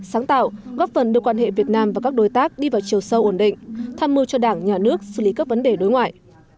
sáng tạo góp phần đưa quan hệ việt nam và các đối tác đi vào chiều sâu ổn định tham mưu cho đảng nhà nước xử lý các vấn đề đối ngoại